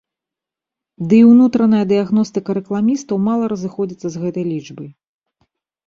Дый унутраная дыягностыка рэкламістаў мала разыходзіцца з гэтай лічбай.